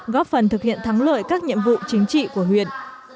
góp phần thực hiện thắng lợi các nhiệm vụ chính trị của huyện